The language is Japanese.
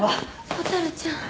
蛍ちゃん。